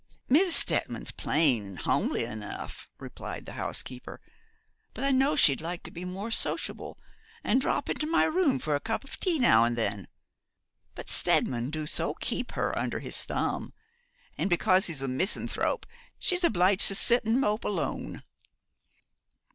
'Mrs. Steadman's plain and homely enough,' replied the housekeeper, 'and I know she'd like to be more sociable, and drop into my room for a cup of tea now and then; but Steadman do so keep her under his thumb: and because he's a misanthrope she's obliged to sit and mope alone.'